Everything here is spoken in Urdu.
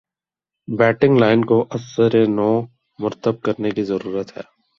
بیٹنگ لائن کو ازسر نو مرتب کرنے کی ضرورت ہے